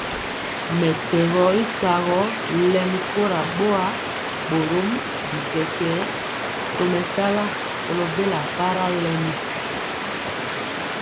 Mɛtɛgɔ y sagɔ lɛmi kora boa, borom bi kɛkɛɛ tomesala kolo bela para lɛmi.